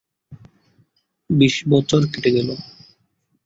বিশ বছর কেটে গেল।